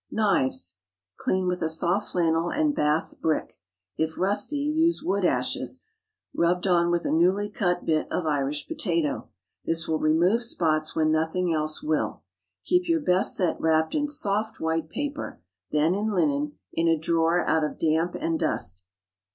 KNIVES. Clean with a soft flannel and Bath brick. If rusty, use wood ashes, rubbed on with a newly cut bit of Irish potato. This will remove spots when nothing else will. Keep your best set wrapped in soft white paper; then in linen, in a drawer out of damp and dust.